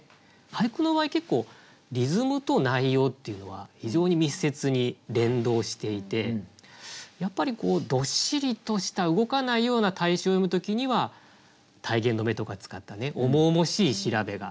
俳句の場合結構リズムと内容っていうのは非常に密接に連動していてやっぱりどっしりとした動かないような対象を詠む時には体言止めとか使った重々しい調べがかなってますし